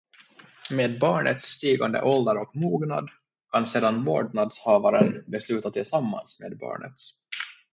Med barnets stigande ålder och mognad kan sedan vårdnadshavaren besluta tillsammans med barnet.